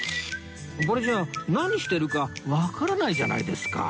これじゃ何してるかわからないじゃないですか